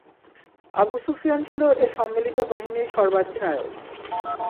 আবু সুফিয়ান ছিল এ সম্মিলিত বাহিনীর সর্বাধিনায়ক।